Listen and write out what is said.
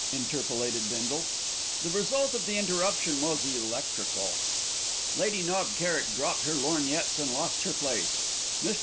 interpolated Bindle.) The result of the interruption was electrical. Lady Knob Kerrick dropped her lorgnettes and lost her place. Mr.